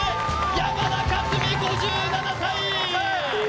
山田勝己５７歳。